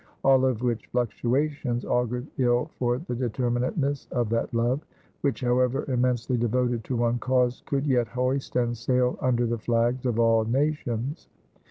All of which fluctuations augured ill for the determinateness of that love, which, however immensely devoted to one cause, could yet hoist and sail under the flags of all nations.